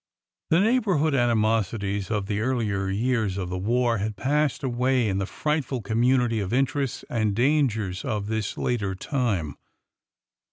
The neighborhood animosities of the earlier years of the war had passed away in the frightful community of interests and dangers of this later time.